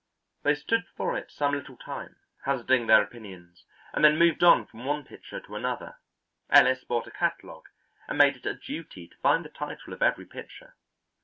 They stood before it some little time hazarding their opinions and then moved on from one picture to another; Ellis bought a catalogue and made it a duty to find the title of every picture.